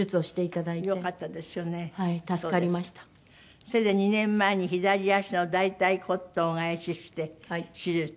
それで２年前に左足の大腿骨頭が壊死して手術。